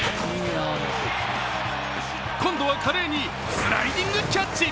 今度は華麗にスライディングキャッチ。